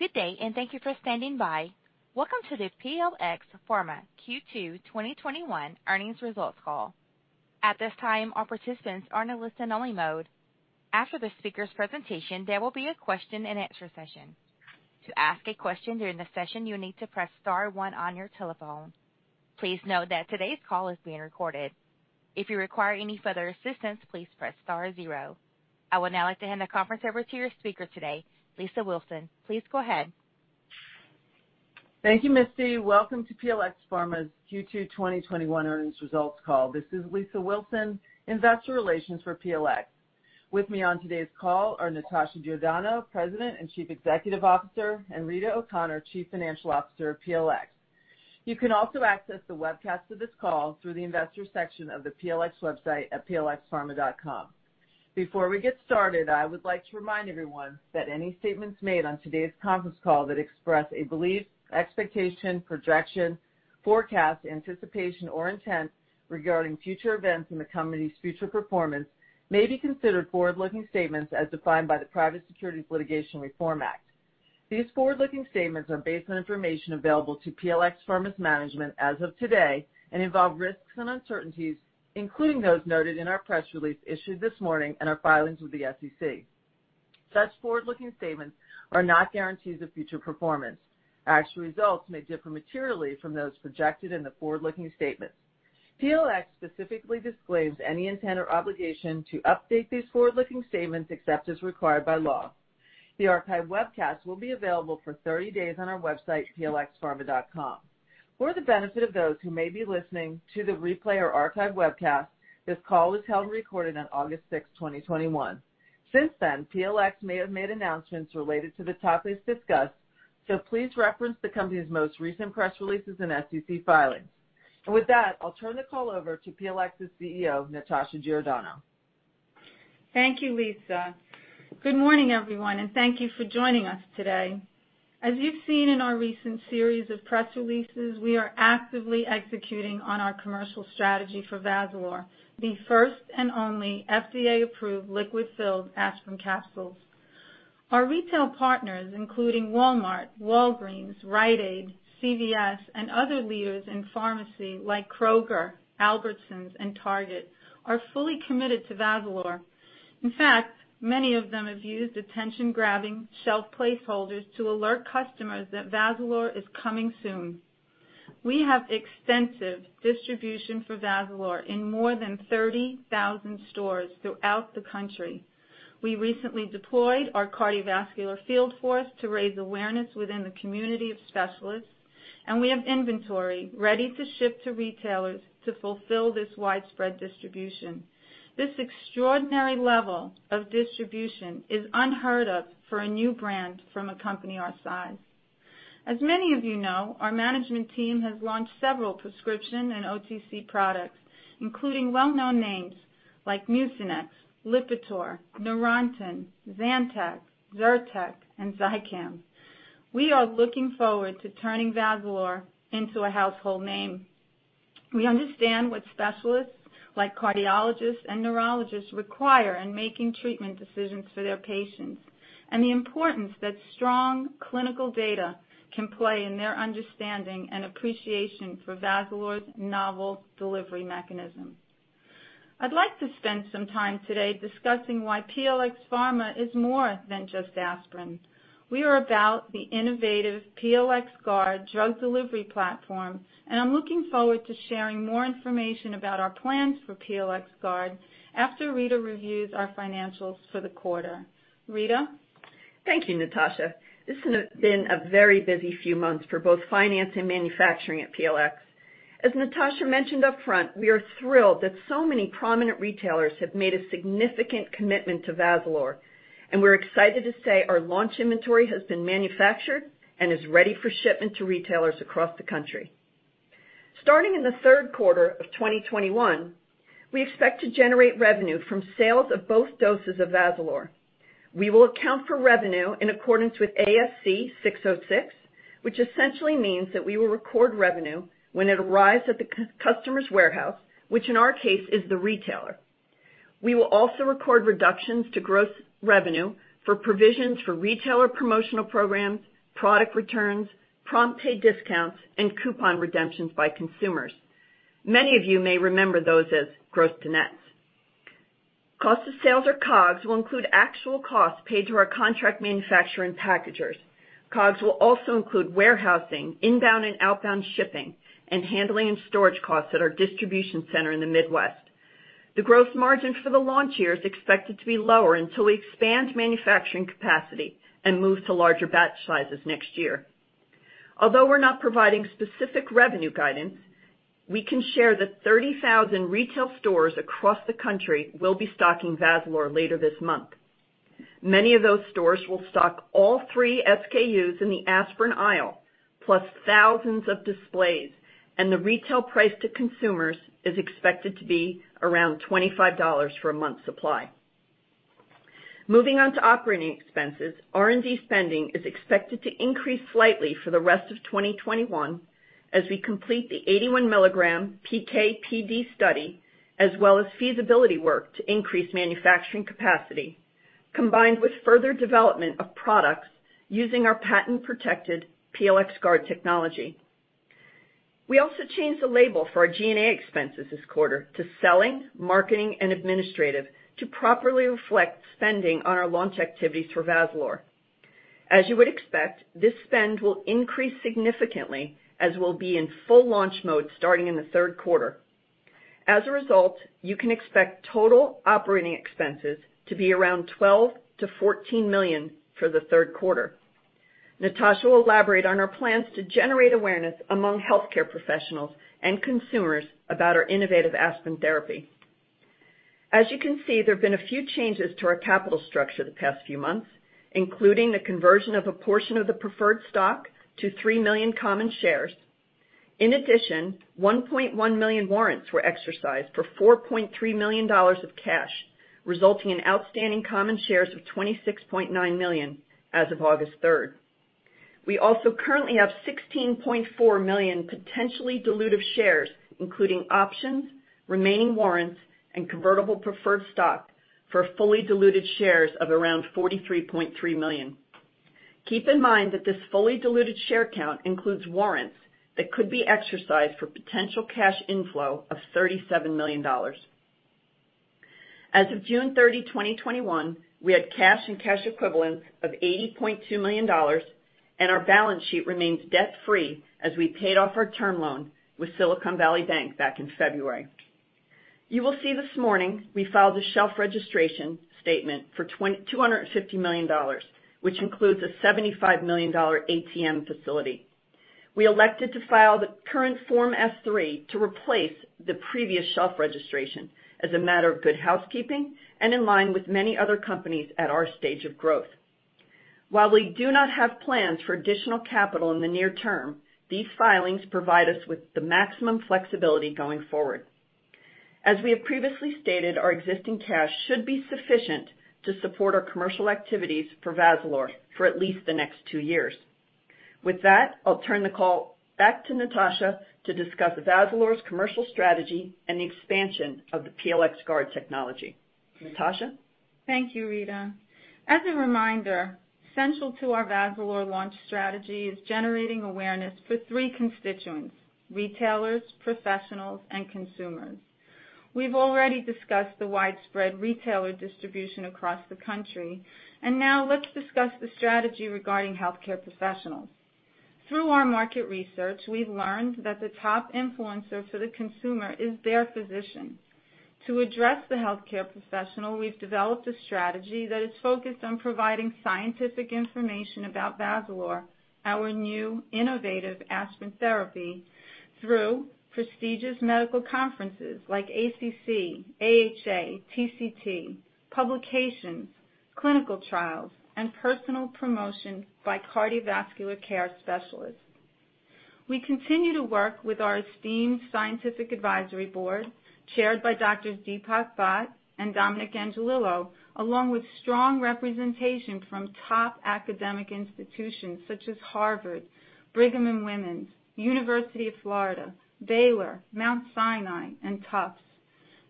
Good day. Thank you for standing by. Welcome to the PLx Pharma Q2 2021 earnings results call. At this time, all participants are in a listen-only mode. After the speaker's presentation, there will be a question-and-answer session. To ask a question during the session, you will need to press star one on your telephone. Please note that today's call is being recorded. If you require any further assistance, please press star zero. I would now like to hand the conference over to your speaker today, Lisa Wilson. Please go ahead. Thank you, Misty. Welcome to PLx Pharma's Q2 2021 earnings results call. This is Lisa Wilson, investor relations for PLx. With me on today's call are Natasha Giordano, President and Chief Executive Officer, and Rita O'Connor, Chief Financial Officer of PLx. You can also access the webcast of this call through the investors section of the PLx website at plxpharma.com. Before we get started, I would like to remind everyone that any statements made on today's conference call that express a belief, expectation, projection, forecast, anticipation, or intent regarding future events in the company's future performance may be considered forward-looking statements as defined by the Private Securities Litigation Reform Act. These forward-looking statements are based on information available to PLx Pharma's management as of today and involve risks and uncertainties, including those noted in our press release issued this morning and our filings with the SEC. Such forward-looking statements are not guarantees of future performance. Actual results may differ materially from those projected in the forward-looking statements. PLx specifically disclaims any intent or obligation to update these forward-looking statements except as required by law. The archive webcast will be available for 30 days on our website, plxpharma.com. For the benefit of those who may be listening to the replay or archive webcast, this call was held and recorded on August 6th, 2021. Since then, PLx may have made announcements related to the topics discussed. Please reference the company's most recent press releases and SEC filings. With that, I'll turn the call over to PLx's CEO, Natasha Giordano. Thank you, Lisa. Good morning, everyone. Thank you for joining us today. As you've seen in our recent series of press releases, we are actively executing on our commercial strategy for VAZALORE, the first and only FDA-approved liquid-filled aspirin capsules. Our retail partners, including Walmart, Walgreens, Rite Aid, CVS, and other leaders in pharmacy like Kroger, Albertsons, and Target, are fully committed to VAZALORE. In fact, many of them have used attention-grabbing shelf placeholders to alert customers that VAZALORE is coming soon. We have extensive distribution for VAZALORE in more than 30,000 stores throughout the country. We recently deployed our cardiovascular field force to raise awareness within the community of specialists, and we have inventory ready to ship to retailers to fulfill this widespread distribution. This extraordinary level of distribution is unheard of for a new brand from a company our size. As many of you know, our management team has launched several prescription and OTC products, including well-known names like Mucinex, Lipitor, Neurontin, Zantac, Zyrtec, and Zicam. We are looking forward to turning VAZALORE into a household name. We understand what specialists like cardiologists and neurologists require in making treatment decisions for their patients and the importance that strong clinical data can play in their understanding and appreciation for VAZALORE's novel delivery mechanism. I'd like to spend some time today discussing why PLx Pharma is more than just aspirin. We are about the innovative PLxGuard drug delivery platform, and I'm looking forward to sharing more information about our plans for PLxGuard after Rita reviews our financials for the quarter. Rita? Thank you, Natasha. This has been a very busy few months for both finance and manufacturing at PLx. As Natasha mentioned upfront, we are thrilled that so many prominent retailers have made a significant commitment to VAZALORE, and we're excited to say our launch inventory has been manufactured and is ready for shipment to retailers across the country. Starting in the third quarter of 2021, we expect to generate revenue from sales of both doses of VAZALORE. We will account for revenue in accordance with ASC 606, which essentially means that we will record revenue when it arrives at the customer's warehouse, which in our case is the retailer. We will also record reductions to gross revenue for provisions for retailer promotional programs, product returns, prompt pay discounts, and coupon redemptions by consumers. Many of you may remember those as gross-to-nets. Cost of sales, or COGS, will include actual costs paid to our contract manufacturing packagers. COGS will also include warehousing, inbound and outbound shipping, and handling and storage costs at our distribution center in the Midwest. The gross margin for the launch year is expected to be lower until we expand manufacturing capacity and move to larger batch sizes next year. Although we're not providing specific revenue guidance, we can share that 30,000 retail stores across the country will be stocking VAZALORE later this month. Many of those stores will stock all three SKUs in the aspirin aisle, plus thousands of displays, and the retail price to consumers is expected to be around $25 for a month's supply. Moving on to operating expenses, R&D spending is expected to increase slightly for the rest of 2021 as we complete the 81 milligram PK/PD study. As well as feasibility work to increase manufacturing capacity, combined with further development of products using our patent-protected PLxGuard technology. We also changed the label for our G&A expenses this quarter to selling, marketing, and administrative to properly reflect spending on our launch activities for VAZALORE. As you would expect, this spend will increase significantly as we'll be in full launch mode starting in the third quarter. As a result, you can expect total operating expenses to be around $12 million-$14 million for the third quarter. Natasha will elaborate on our plans to generate awareness among healthcare professionals and consumers about our innovative aspirin therapy. As you can see, there have been a few changes to our capital structure the past few months, including the conversion of a portion of the preferred stock to 3 million common shares. In addition, 1.1 million warrants were exercised for $4.3 million of cash, resulting in outstanding common shares of 26.9 million as of August 3rd. We also currently have 16.4 million potentially dilutive shares, including options, remaining warrants, and convertible preferred stock, for fully diluted shares of around 43.3 million. Keep in mind that this fully diluted share count includes warrants that could be exercised for potential cash inflow of $37 million. As of June 30, 2021, we had cash and cash equivalents of $80.2 million, and our balance sheet remains debt-free as we paid off our term loan with Silicon Valley Bank back in February. You will see this morning we filed a shelf registration statement for $250 million, which includes a $75 million ATM facility. We elected to file the current Form S-3 to replace the previous shelf registration as a matter of good housekeeping and in line with many other companies at our stage of growth. While we do not have plans for additional capital in the near term, these filings provide us with the maximum flexibility going forward. As we have previously stated, our existing cash should be sufficient to support our commercial activities for VAZALORE for at least the next two years. With that, I'll turn the call back to Natasha to discuss VAZALORE's commercial strategy and the expansion of the PLxGuard technology. Natasha? Thank you, Rita. As a reminder, central to our VAZALORE launch strategy is generating awareness for three constituents, retailers, professionals, and consumers. We've already discussed the widespread retailer distribution across the country, now let's discuss the strategy regarding healthcare professionals. Through our market research, we've learned that the top influencer for the consumer is their physician. To address the healthcare professional, we've developed a strategy that is focused on providing scientific information about VAZALORE, our new innovative aspirin therapy, through prestigious medical conferences like ACC, AHA, TCT, publications, clinical trials, and personal promotion by cardiovascular care specialists. We continue to work with our esteemed scientific advisory board, chaired by Drs. Deepak Bhatt and Dominick Angiolillo, along with strong representation from top academic institutions such as Harvard, Brigham and Women's, University of Florida, Baylor, Mount Sinai, and Tufts.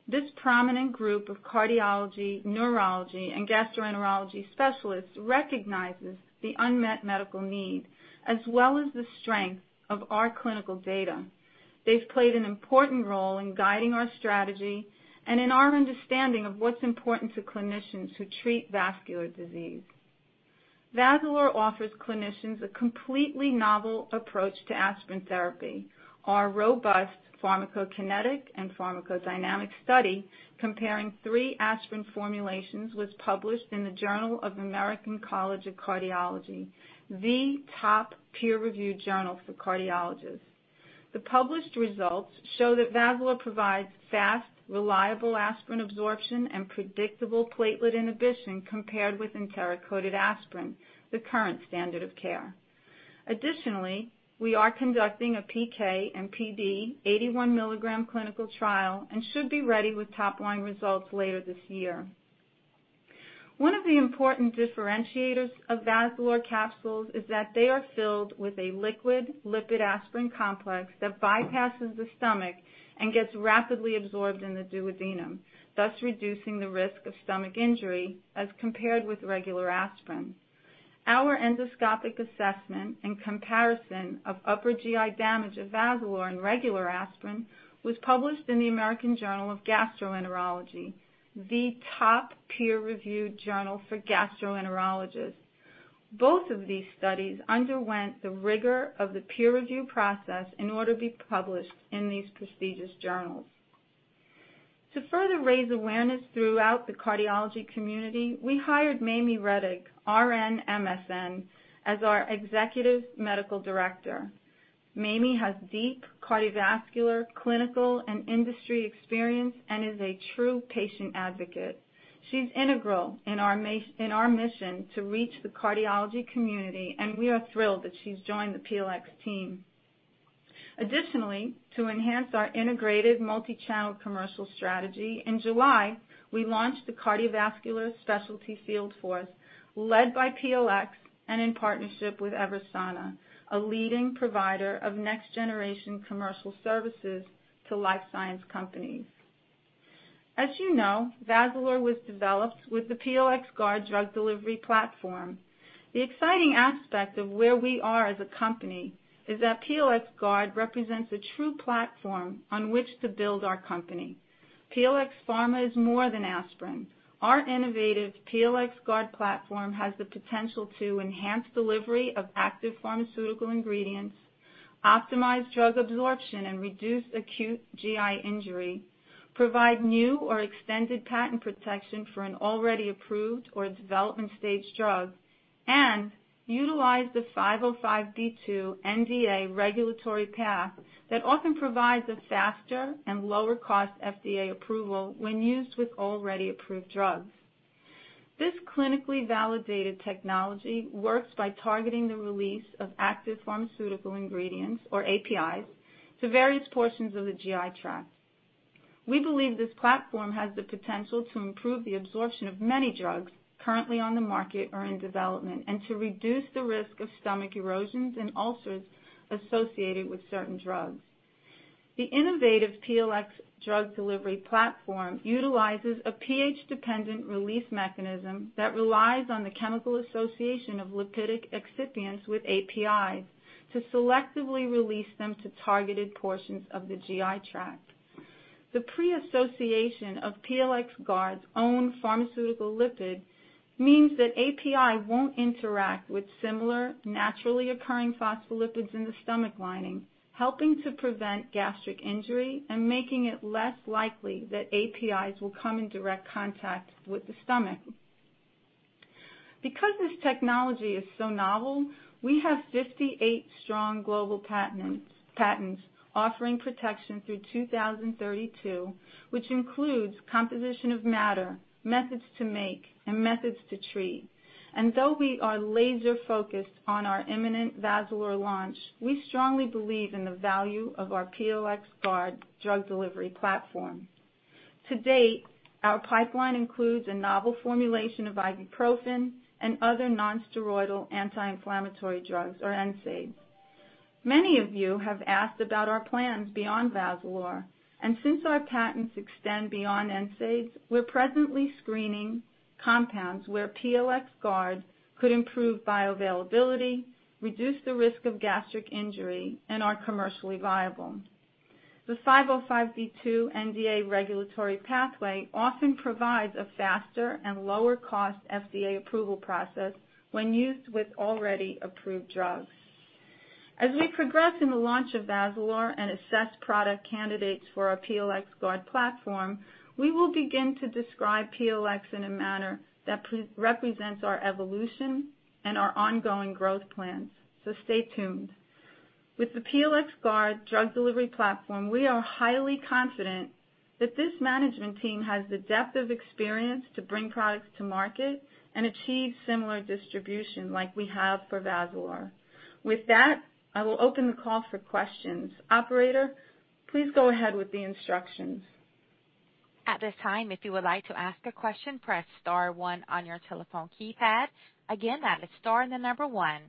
This prominent group of cardiology, neurology, and gastroenterology specialists recognizes the unmet medical need, as well as the strength of our clinical data. They've played an important role in guiding our strategy and in our understanding of what's important to clinicians who treat vascular disease. VAZALORE offers clinicians a completely novel approach to aspirin therapy. Our robust pharmacokinetic and pharmacodynamic study comparing three aspirin formulations was published in the Journal of the American College of Cardiology, the top peer-reviewed journal for cardiologists. The published results show that VAZALORE provides fast, reliable aspirin absorption, and predictable platelet inhibition compared with enteric-coated aspirin, the current standard of care. Additionally, we are conducting a PK/PD 81 milligram clinical trial and should be ready with top-line results later this year. One of the important differentiators of VAZALORE capsules is that they are filled with a liquid lipid aspirin complex that bypasses the stomach and gets rapidly absorbed in the duodenum, thus reducing the risk of stomach injury as compared with regular aspirin. Our endoscopic assessment and comparison of upper GI damage of VAZALORE and regular aspirin was published in the American Journal of Gastroenterology, the top peer-reviewed journal for gastroenterologists. Both of these studies underwent the rigor of the peer review process in order to be published in these prestigious journals. To further raise awareness throughout the cardiology community, we hired Mayme Roettig, RN, MSN, as our Executive Medical Director. Mayme has deep cardiovascular, clinical, and industry experience and is a true patient advocate. She's integral in our mission to reach the cardiology community, and we are thrilled that she's joined the PLx team. Additionally, to enhance our integrated multi-channel commercial strategy, in July, we launched the cardiovascular specialty field force led by PLx and in partnership with EVERSANA, a leading provider of next-generation commercial services to life science companies. As you know, VAZALORE was developed with the PLxGuard drug delivery platform. The exciting aspect of where we are as a company is that PLxGuard represents a true platform on which to build our company. PLx Pharma is more than aspirin. Our innovative PLxGuard platform has the potential to enhance delivery of active pharmaceutical ingredients, optimize drug absorption, and reduce acute GI injury, provide new or extended patent protection for an already approved or development-stage drug, and utilize the 505(b)(2) NDA regulatory path that often provides a faster and lower-cost FDA approval when used with already approved drugs. This clinically validated technology works by targeting the release of active pharmaceutical ingredients, or APIs, to various portions of the GI tract. We believe this platform has the potential to improve the absorption of many drugs currently on the market or in development and to reduce the risk of stomach erosions and ulcers associated with certain drugs. The innovative PLx drug delivery platform utilizes a pH-dependent release mechanism that relies on the chemical association of lipidic excipients with APIs to selectively release them to targeted portions of the GI tract. The pre-association of PLxGuard's own pharmaceutical lipid means that API won't interact with similar naturally occurring phospholipids in the stomach lining, helping to prevent gastric injury and making it less likely that APIs will come in direct contact with the stomach. Because this technology is so novel, we have 58 strong global patents offering protection through 2032, which includes composition of matter, methods to make, and methods to treat. Though we are laser-focused on our imminent VAZALORE launch, we strongly believe in the value of our PLxGuard drug delivery platform. To date, our pipeline includes a novel formulation of ibuprofen and other nonsteroidal anti-inflammatory drugs, or NSAIDs. Many of you have asked about our plans beyond VAZALORE, and since our patents extend beyond NSAIDs, we are presently screening compounds where PLxGuard could improve bioavailability, reduce the risk of gastric injury, and are commercially viable. The 505(b)(2) NDA regulatory pathway often provides a faster and lower-cost FDA approval process when used with already approved drugs. As we progress in the launch of VAZALORE and assess product candidates for our PLxGuard platform, we will begin to describe PLx in a manner that represents our evolution and our ongoing growth plans. Stay tuned. With the PLxGuard drug delivery platform, we are highly confident that this management team has the depth of experience to bring products to market and achieve similar distribution like we have for VAZALORE. With that, I will open the call for questions. Operator, please go ahead with the instructions. At this time, if you would like to ask a question, press star one on your telephone keypad. Again, that is star and the number one.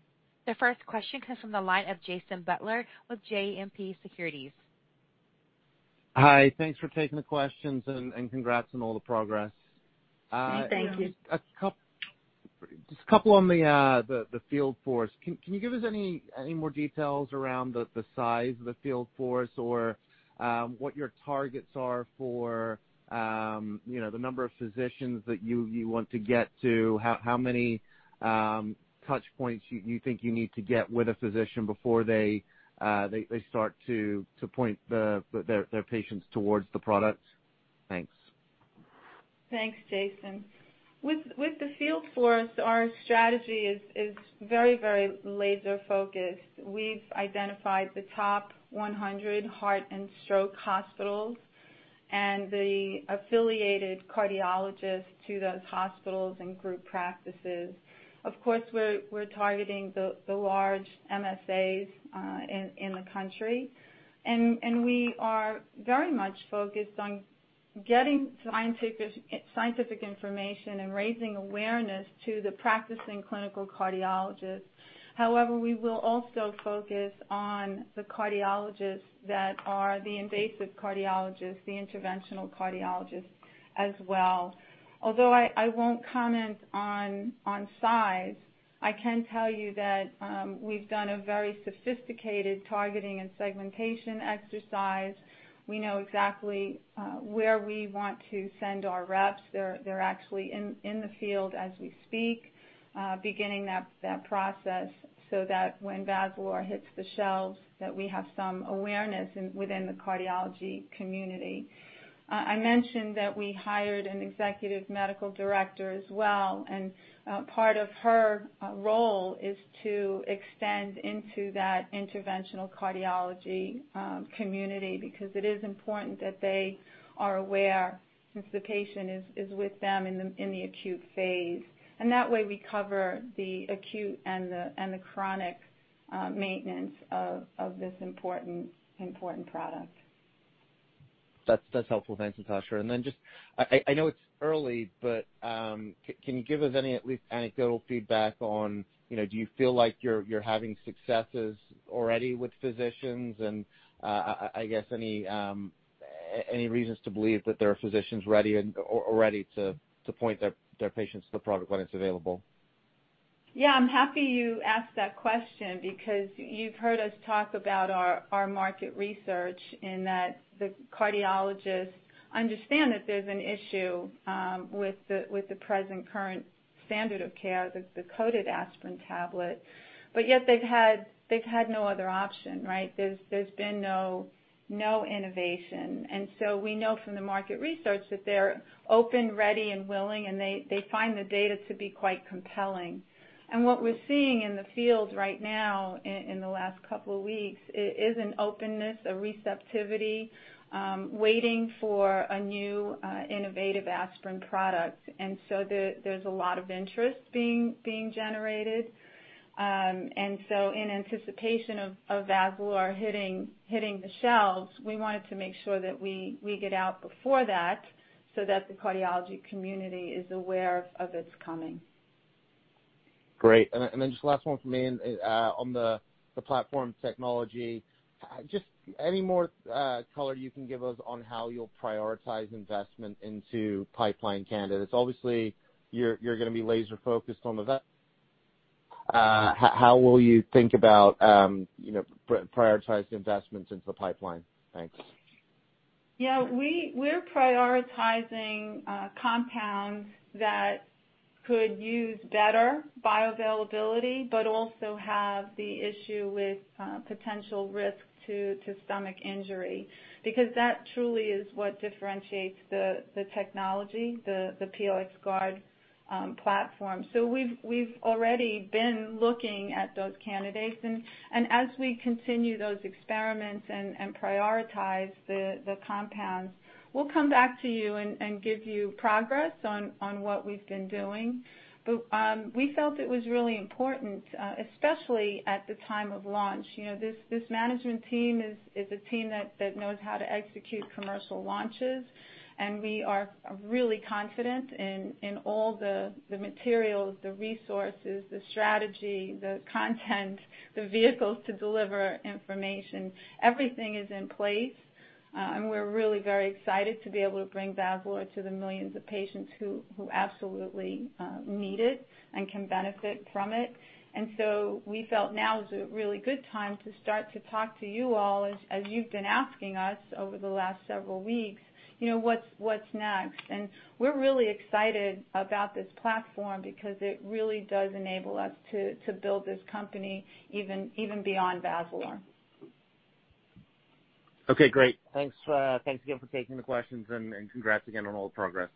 The first question comes from the line of Jason Butler with JMP Securities. Hi. Thanks for taking the questions and congrats on all the progress. Thank you. Just a couple on the field force. Can you give us any more details around the size of the field force or what your targets are for the number of physicians that you want to get to? How many touch points you think you need to get with a physician before they start to point their patients towards the product? Thanks. Thanks, Jason. With the field force, our strategy is very laser-focused. We've identified the 100 heart and stroke hospitals and the affiliated cardiologists to those hospitals and group practices. Of course, we're targeting the large MSAs in the country, and we are very much focused on getting scientific information and raising awareness to the practicing clinical cardiologists. However, we will also focus on the cardiologists that are the invasive cardiologists, the interventional cardiologists as well. Although I won't comment on size, I can tell you that we've done a very sophisticated targeting and segmentation exercise. We know exactly where we want to send our reps. They're actually in the field as we speak, beginning that process so that when VAZALORE hits the shelves, that we have some awareness within the cardiology community. I mentioned that we hired an executive medical director as well. Part of her role is to extend into that interventional cardiology community because it is important that they are aware since the patient is with them in the acute phase. That way we cover the acute and the chronic maintenance of this important product. That's helpful. Thanks, Natasha. Just, I know it's early, but can you give us any, at least anecdotal feedback on do you feel like you're having successes already with physicians? I guess any reasons to believe that there are physicians ready to point their patients to the product when it's available? Yeah, I'm happy you asked that question because you've heard us talk about our market research in that the cardiologists understand that there's an issue with the present current standard of care, the coated aspirin tablet. Yet they've had no other option, right? There's been no innovation. We know from the market research that they're open, ready, and willing, and they find the data to be quite compelling. What we're seeing in the field right now, in the last couple of weeks, is an openness, a receptivity, waiting for a new, innovative aspirin product. There's a lot of interest being generated. In anticipation of VAZALORE hitting the shelves, we wanted to make sure that we get out before that so that the cardiology community is aware of its coming. Great. Just the last one from me on the platform technology. Any more color you can give us on how you'll prioritize investment into pipeline candidates. Obviously, you're going to be laser-focused on VAZALORE. How will you think about prioritizing investments into the pipeline? Thanks. Yeah, we're prioritizing compounds that could use better bioavailability, but also have the issue with potential risk to stomach injury, because that truly is what differentiates the technology, the PLxGuard platform. We've already been looking at those candidates and as we continue those experiments and prioritize the compounds, we'll come back to you and give you progress on what we've been doing. We felt it was really important, especially at the time of launch. This management team is a team that knows how to execute commercial launches, and we are really confident in all the materials, the resources, the strategy, the content, the vehicles to deliver information. Everything is in place. We're really very excited to be able to bring VAZALORE to the millions of patients who absolutely need it and can benefit from it. We felt now is a really good time to start to talk to you all, as you've been asking us over the last several weeks, "What's next?" We're really excited about this platform because it really does enable us to build this company even beyond VAZALORE. Okay, great. Thanks again for taking the questions and congrats again on all the progress.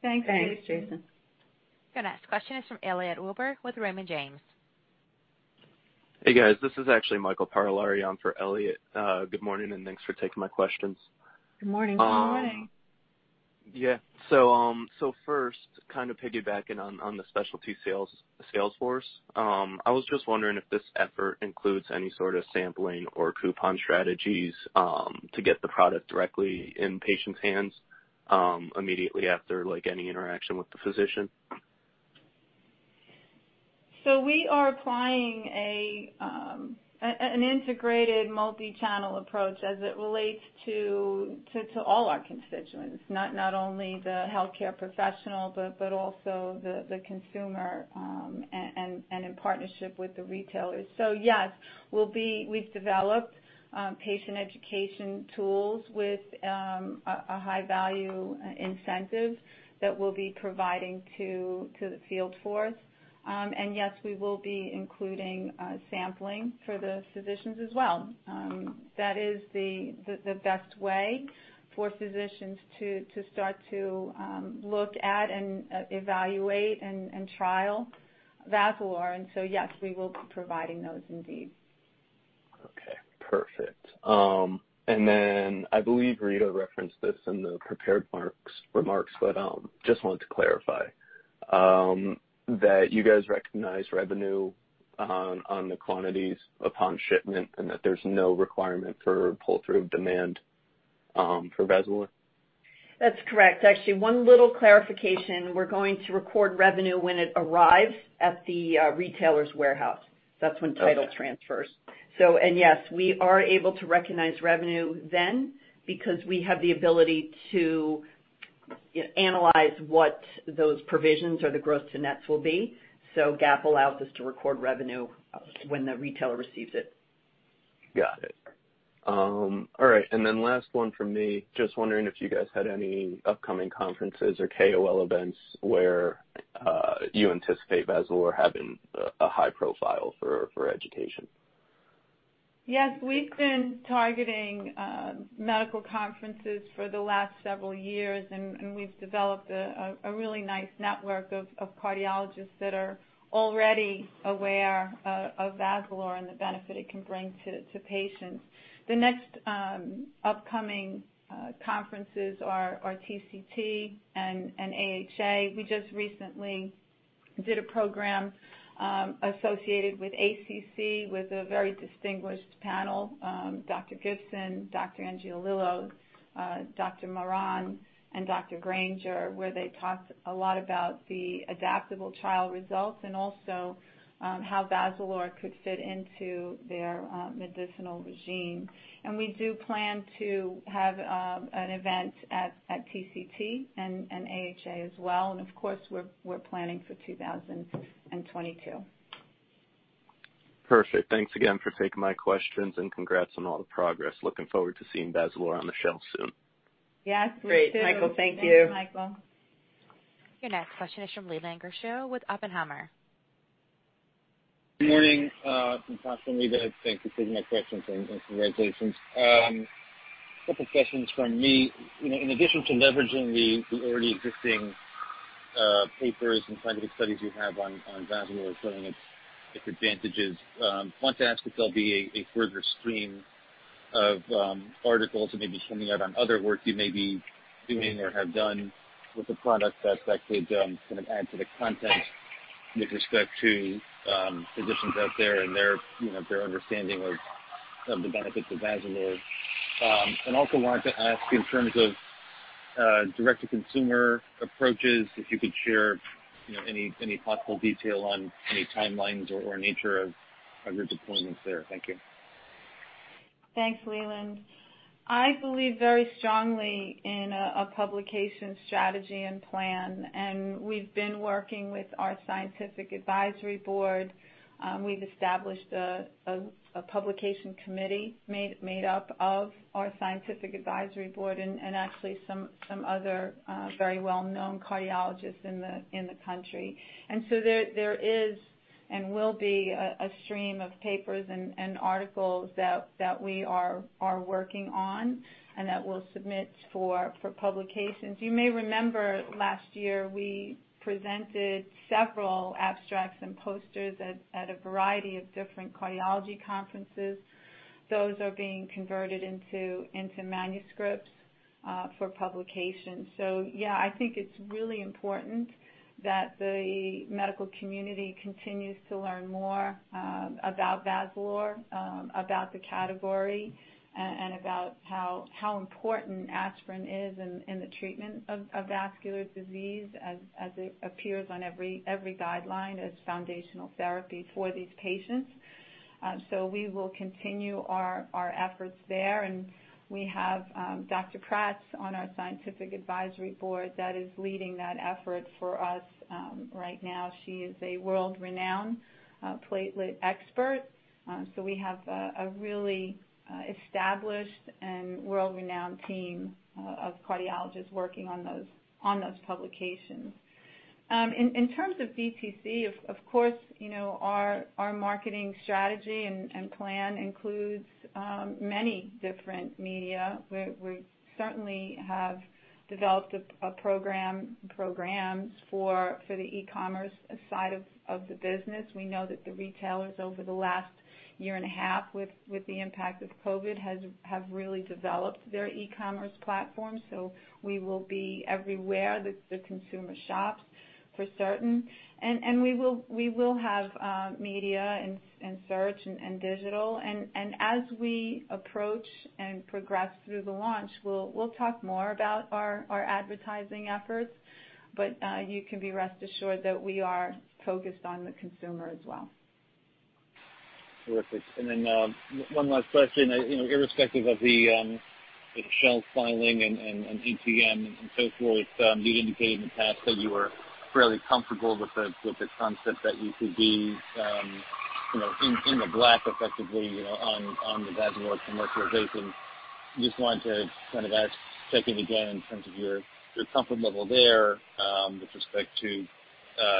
Thank Jason. Thanks, Jason. The next question is from Elliot Wilbur with Raymond James. Hey, guys, this is actually Michael Parolari on for Elliot. Good morning, and thanks for taking my questions. Good morning. Good morning. Yeah. First, kind of piggybacking on the specialty sales force. I was just wondering if this effort includes any sort of sampling or coupon strategies to get the product directly in patients' hands immediately after any interaction with the physician. We are applying an integrated multi-channel approach as it relates to all our constituents, not only the healthcare professional, but also the consumer, and in partnership with the retailers. Yes, we've developed patient education tools with a high-value incentive that we'll be providing to the field force. Yes, we will be including sampling for the physicians as well. That is the best way for physicians to start to look at and evaluate and trial VAZALORE. Yes, we will be providing those indeed. Okay, perfect. I believe Rita referenced this in the prepared remarks, but just wanted to clarify, that you guys recognize revenue on the quantities upon shipment and that there's no requirement for pull-through demand for VAZALORE. That's correct. Actually, one little clarification. We're going to record revenue when it arrives at the retailer's warehouse. That's when title transfers. Okay. Yes, we are able to recognize revenue then because we have the ability to analyze what those provisions or the gross-to-nets will be. GAAP allows us to record revenue when the retailer receives it. Got it. All right, and then last one from me. Just wondering if you guys had any upcoming conferences or KOL events where you anticipate VAZALORE having a high profile for education. Yes, we've been targeting medical conferences for the last several years, and we've developed a really nice network of cardiologists that are already aware of VAZALORE and the benefit it can bring to patients. The next upcoming conferences are TCT and AHA. We just recently did a program associated with ACC with a very distinguished panel, Dr. Gibson, Dr. Angiolillo, Dr. Mehran, and Dr. Granger, where they talked a lot about the ADAPTABLE trial results and also how VAZALORE could fit into their medicinal regime. We do plan to have an event at TCT and AHA as well. Of course, we're planning for 2022. Perfect. Thanks again for taking my questions, and congrats on all the progress. Looking forward to seeing VAZALORE on the shelf soon. Yes, me too. Great, Michael. Thank you. Thanks, Michael. Your next question is from Leland Gershell with Oppenheimer. Good morning, Natasha and Rita O'Connor. Thank you for taking my questions, and congratulations. Couple questions from me. In addition to leveraging the already existing papers and clinical studies you have on VAZALORE showing its advantages, wanted to ask if there'll be a further stream of articles that may be coming out on other work you may be doing or have done with the product that could add to the context with respect to physicians out there and their understanding of the benefits of VAZALORE. Also wanted to ask in terms of direct-to-consumer approaches, if you could share any possible detail on any timelines or nature of your deployments there. Thank you. Thanks, Leland. I believe very strongly in a publication strategy and plan, and we've been working with our scientific advisory board. We've established a publication committee made up of our scientific advisory board and actually some other very well-known cardiologists in the country. There is and will be a stream of papers and articles that we are working on and that we'll submit for publications. You may remember last year we presented several abstracts and posters at a variety of different cardiology conferences. Those are being converted into manuscripts for publication. Yeah, I think it's really important that the medical community continues to learn more about VAZALORE, about the category, and about how important aspirin is in the treatment of vascular disease as it appears on every guideline as foundational therapy for these patients. We will continue our efforts there, and we have Dr. Prats on our scientific advisory board that is leading that effort for us right now. She is a world-renowned platelet expert. We have a really established and world-renowned team of cardiologists working on those publications. In terms of DTC, of course, our marketing strategy and plan includes many different media. We certainly have developed programs for the e-commerce side of the business. We know that the retailers over the last year and a half with the impact of COVID have really developed their e-commerce platform. We will be everywhere that the consumer shops, for certain. We will have media and search and digital. As we approach and progress through the launch, we'll talk more about our advertising efforts. You can be rest assured that we are focused on the consumer as well. Terrific. One last question. Irrespective of the shelf filing and ATM and so forth, you'd indicated in the past that you were fairly comfortable with the concept that you could be in the black effectively on the VAZALORE commercialization. Just wanted to kind of ask, check in again in terms of your comfort level there with respect to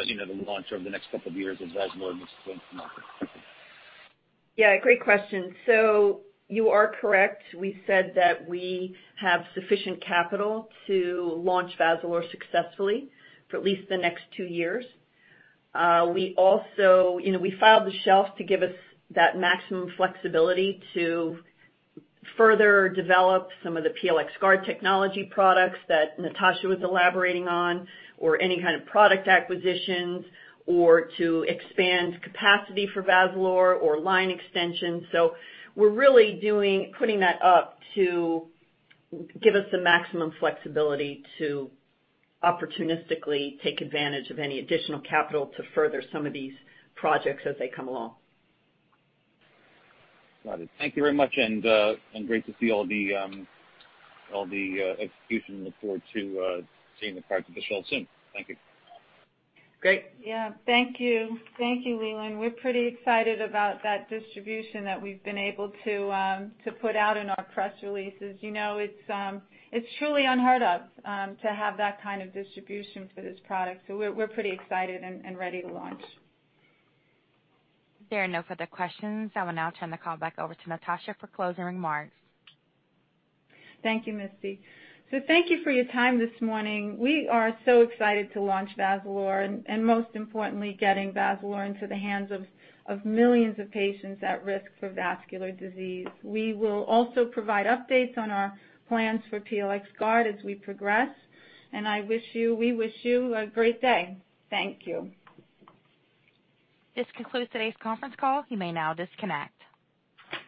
the launch over the next two years as VAZALORE moves into the market. Thank you. Yeah, great question. You are correct. We said that we have sufficient capital to launch VAZALORE successfully for at least the next two years. We filed the shelf to give us that maximum flexibility to further develop some of the PLxGuard technology products that Natasha was elaborating on or any kind of product acquisitions or to expand capacity for VAZALORE or line extensions. We're really putting that up to give us the maximum flexibility to opportunistically take advantage of any additional capital to further some of these projects as they come along. Got it. Thank you very much, and great to see all the execution and look forward to seeing the product on the shelf soon. Thank you. Great. Yeah. Thank you. Thank you, Leland. We're pretty excited about that distribution that we've been able to put out in our press releases. It's truly unheard of to have that kind of distribution for this product. We're pretty excited and ready to launch. There are no further questions. I will now turn the call back over to Natasha for closing remarks. Thank you, Misty. Thank you for your time this morning. We are so excited to launch VAZALORE and most importantly, getting VAZALORE into the hands of millions of patients at risk for vascular disease. We will also provide updates on our plans for PLxGuard as we progress, and we wish you a great day. Thank you. This concludes today's conference call. You may now disconnect.